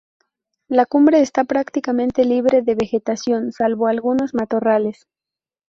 La cumbre está prácticamente libre de vegetación salvo algunos matorrales.